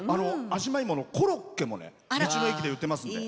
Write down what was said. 味間いものコロッケも道の駅で売ってますので。